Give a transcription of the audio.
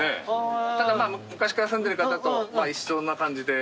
ただまぁ昔から住んでる方と一緒な感じで。